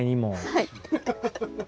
はい。